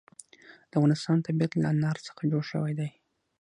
د افغانستان طبیعت له انار څخه جوړ شوی دی.